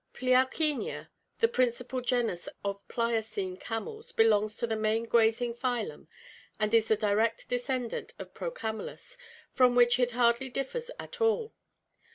— Pliauckenia, the principal genus of Pliocene camels, belongs to the main grazing phylum and is the direct descendant of Procamelus, from which it hardly differs at all.